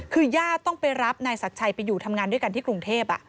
คือญาติต้องไปรับนายศักดิ์ชัยไปอยู่ทำงานด้วยกันที่กรุงเทพ